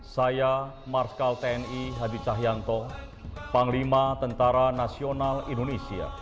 saya marskal tni hadi cahyanto panglima tentara nasional indonesia